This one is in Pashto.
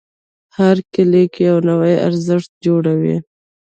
هر کلیک یو نوی ارزښت جوړوي.